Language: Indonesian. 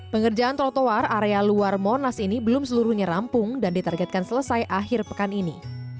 pengerjaan trotoar area luar monas ini belum seluruhnya rampung dan ditargetkan selesai akhir pekan ini